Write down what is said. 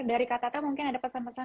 dari kak tata mungkin ada pesan pesan